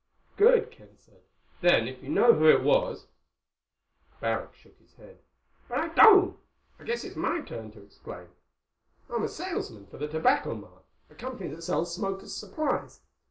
"Good," Ken said. "Then if you know who it was—" Barrack shook his head. "But I don't. I guess it's my turn to explain. I'm a salesman for the Tobacco Mart—a company that sells smokers' supplies.